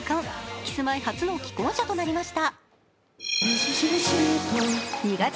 キスマイ初の既婚者となりました。